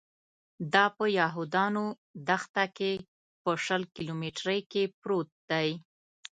دا په یهودانو دښته کې په شل کیلومترۍ کې پروت دی.